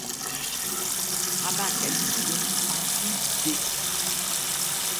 Rabat qualifie l'offensive d'.